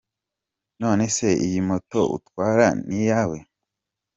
com : None se iyi moto utwara n’iyawe ?.